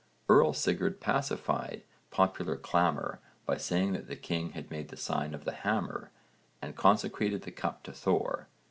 Earl Sigurd pacified popular clamour by saying that the king had made the sign of the hammer and consecrated the cup to Thor.